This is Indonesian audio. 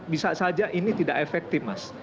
bisa saja ini tidak efektif mas